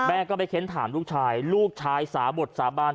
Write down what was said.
แม่ก็ไปเค้นถามลูกชายลูกชายสาบดสาบาน